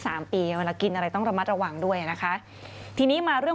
สามปีเวลากินอะไรต้องระมัดระวังด้วยนะคะทีนี้มาเรื่อง